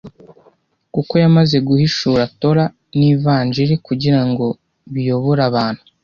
kuko yamaze guhishura Torah n’Ivanjiri kugira ngo biyobore abantu